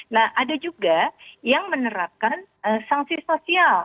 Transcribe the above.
nah ada juga yang menerapkan sanksi sosial